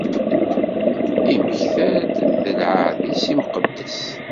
Immekta-d d lɛahd-is imqeddes.